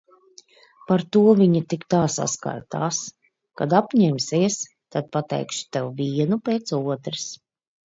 Par to viņa tik tā saskaitās. Kad apņemsies, tad pateikšu tev vienu pēc otras.